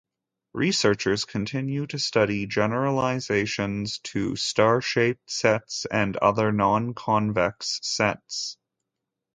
Researchers continue to study generalizations to star-shaped sets and other non-convex sets.